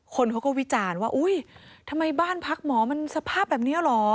คนเขาก็วิจารณ์ว่าอุ้ยทำไมบ้านพักหมอมันสภาพแบบนี้เหรอ